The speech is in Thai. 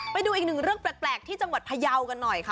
ไปดูอีกหนึ่งเรื่องแปลกที่จังหวัดพยาวกันหน่อยค่ะ